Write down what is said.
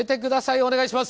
お願いします。